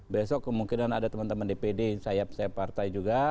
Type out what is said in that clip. besok kemungkinan ada teman teman dpd sayap sayap partai juga